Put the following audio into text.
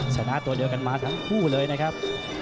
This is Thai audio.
ชนะตัวเดียวกันมาทั้งคู่เลยนะครับ